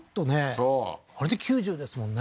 そうあれで９０ですもんね